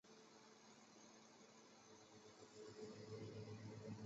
洛雷塞。